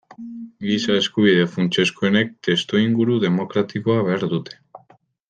Giza-eskubide funtsezkoenek testuinguru demokratikoa behar dute.